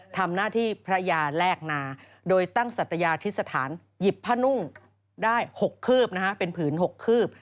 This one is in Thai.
ทำหน้าที่พระยาแลกนาโดยตั้งสัตยาธิสถานหยิบผ้านุ่งได้๖คืบนะฮะเป็นผืน๖คืบ